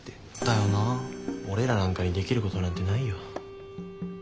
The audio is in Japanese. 俺らなんかにできることなんてないよ。